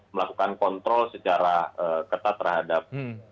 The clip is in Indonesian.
melakukan kontrol secara ketat terhadap